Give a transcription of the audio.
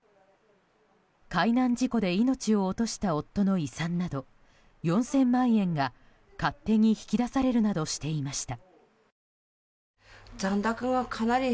海難事故で命を落とした夫の遺産など、４０００万円が勝手に引き出されるなどしていました。